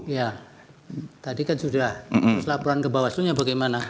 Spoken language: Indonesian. ya tadi kan sudah laporan ke bawaslu nya bagaimana